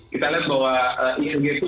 kita lihat bahwa ihg itu juga masih akan